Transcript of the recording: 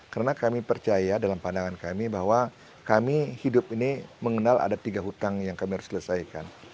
karena kami percaya dalam pandangan kami bahwa kami hidup ini mengenal ada tiga hutang yang kami harus selesaikan